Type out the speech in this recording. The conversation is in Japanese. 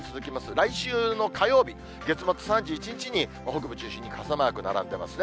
来週の火曜日、月末３１日に北部中心に傘マーク並んでますね。